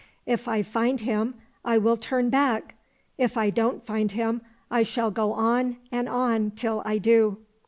" If I find him, I will turn back ; if I don't find him, I shall go on and on till I do."